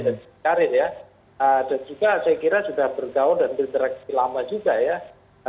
dan juga saya kira sudah bergaul dan berinteraksi lama juga ya